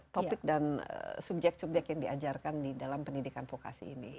topik dan subjek subjek yang diajarkan di dalam pendidikan vokasi ini